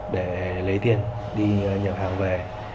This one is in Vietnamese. để lấy tiền đi nhập hàng về